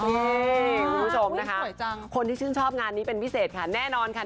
นี่คุณผู้ชมนะคะคนที่ชื่นชอบงานนี้เป็นพิเศษค่ะแน่นอนค่ะ